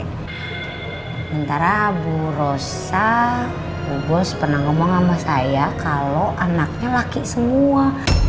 sementara bu rosa bu bos pernah ngomong sama saya kalau anaknya laki semua